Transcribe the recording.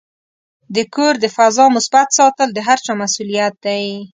د کور د فضا مثبت ساتل د هر چا مسؤلیت دی.